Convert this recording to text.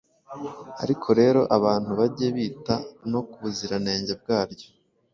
Ariko rero abantu bage bita no ku buziranenge bwaryo!